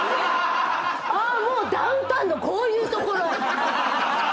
ああもうダウンタウンのこういうところ。